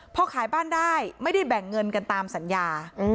พอขายบ้านได้ไม่ได้แบ่งเงินกันตามสัญญา